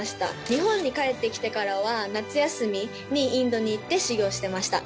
日本に帰ってきてからは夏休みにインドに行って修業してました。